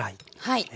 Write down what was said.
はい。